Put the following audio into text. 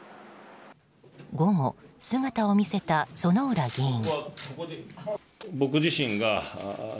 午後、姿を見せた薗浦議員。